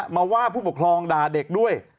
มาว่าผู้ปกครองด่าเด็กด้วย